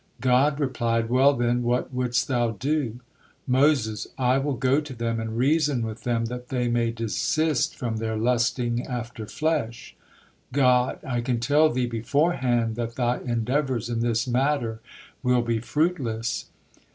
'" God replied: "Well, then, what wouldst thou do?" Moses: "I will go to them and reason with them that they may desist from their lusting after flesh." God: "I can tell thee beforehand that thy endeavors in this matter will be fruitless."